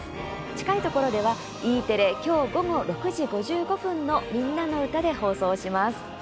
近いところではＥテレ、今日午後６時５５分の「みんなのうた」で放送します。